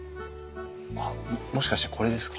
あっもしかしてこれですか？